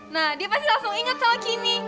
nah dia pasti langsung inget soal gini